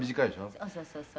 「そうそうそうそう」